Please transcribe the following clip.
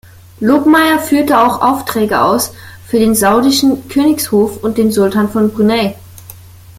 Lobmeyr führte auch Aufträge aus für den saudischen Königshof und den Sultan von Brunei.